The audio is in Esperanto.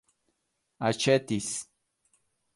aĉetis